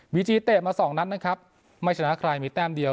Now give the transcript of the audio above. ีจีเตะมาสองนัดนะครับไม่ชนะใครมีแต้มเดียว